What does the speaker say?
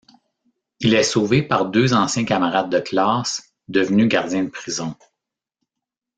Il est sauvé par deux anciens camarades de classe, devenus gardiens de prison.